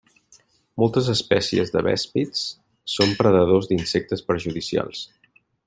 Moltes espècies de vèspids són predadors d'insectes perjudicials.